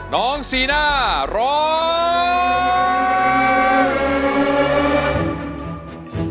น้องซีน่าร้อง